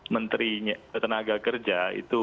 menteri tenaga kerja itu